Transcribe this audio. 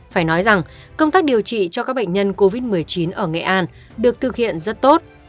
phải nói rằng công tác điều trị cho các bệnh nhân covid một mươi chín ở nghệ an được thực hiện rất tốt